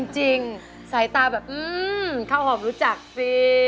จริงสายตาแบบอื้อข้าวหอมรู้จักสิ